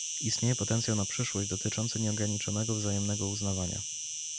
Istnieje potencjał na przyszłość dotyczący nieograniczonego wzajemnego uznawania